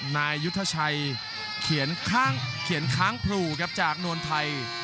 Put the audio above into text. นายยุทธชัยเขียนค้างพลูครับจากนวลไทย